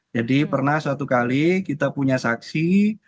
jadi pernah suatu kali kita punya saksi